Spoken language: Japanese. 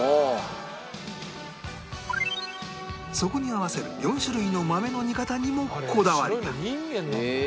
そこに合わせる４種類の豆の煮方にもこだわりが